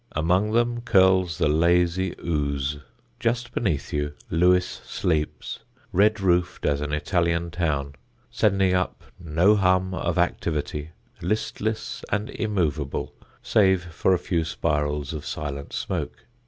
Among them curls the lazy Ouse; just beneath you Lewes sleeps, red roofed as an Italian town, sending up no hum of activity, listless and immovable save for a few spirals of silent smoke.